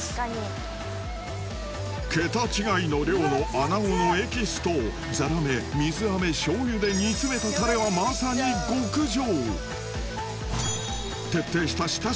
桁違いの量の穴子のエキスとザラメ・水飴・醤油で煮詰めたタレはまさに極上！